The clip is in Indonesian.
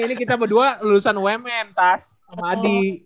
ini kita berdua lulusan umn tas sama adi